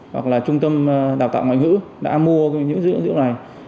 hoặc là trung tâm đào tạo ngoại ngữ đã mua những dữ liệu này